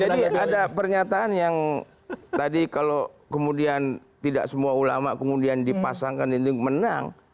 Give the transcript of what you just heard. jadi ada pernyataan yang tadi kalau kemudian tidak semua ulama kemudian dipasangkan ini menang